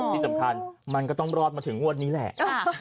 ที่สำคัญมันก็ต้องรอดมาถึงงวดนี้แหละ